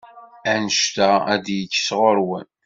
Anect-a ad d-yekk sɣur-wen.